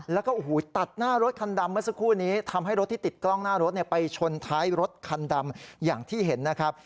แล้วก็โอ้โหตัดหน้ารถคันดำเมื่อสักครู่นี้ทำให้รถที่ติดกล้องหน้ารถไปชนท้ายรถคันดำอย่างที่เห็นนะครับ